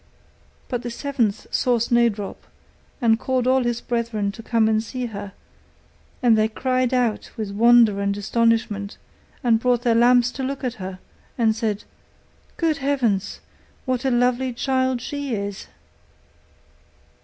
But the seventh saw Snowdrop, and called all his brethren to come and see her; and they cried out with wonder and astonishment and brought their lamps to look at her, and said, 'Good heavens! what a lovely child she is!